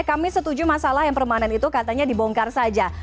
kami setuju masalah yang permanen itu katanya dibongkar saja